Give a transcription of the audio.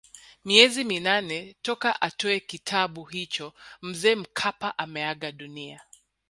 Miezi minane toka atoe kitabu hicho Mzee Mkapa ameaga dunia